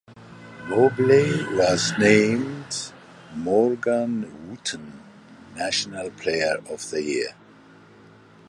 Mobley was named Morgan Wootten National Player of the Year.